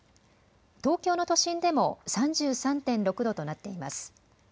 東京の都心でも３３．６度となっています。